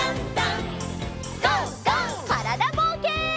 からだぼうけん。